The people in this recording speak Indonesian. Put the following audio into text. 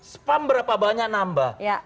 spam berapa banyak nambah